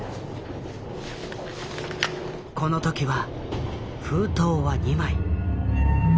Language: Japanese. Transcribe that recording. この時は封筒は２枚。